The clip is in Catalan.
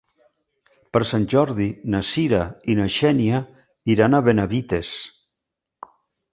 Per Sant Jordi na Cira i na Xènia iran a Benavites.